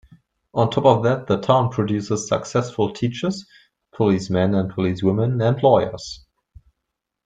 On top of that, the town produces successful teachers, policemen and policewomen, and lawyers.